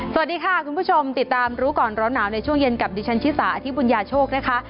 สวัสดีค่ะคุณผู้ชมติดตามรู้ก่อนร้อนหนาวในช่วงเย็นกับดิฉันชิสาอธิบุญญาโชคนะคะ